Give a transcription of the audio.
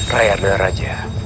rai arda raja